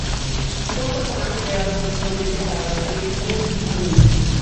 Fue un personaje creado exclusivamente para la serie por Paul Dini.